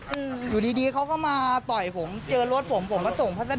อืมอยู่ดีดีเขาก็มาต่อยผมเจอรถผมผมก็ส่งพัสเตอร์